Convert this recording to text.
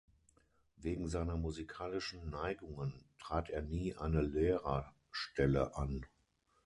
Wegen seiner musikalischen Neigungen trat er nie eine Lehrerstelle an.